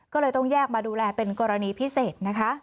ก็เลยต้องแยกมาดูแลเป็นกรณีพิเศษนะคะ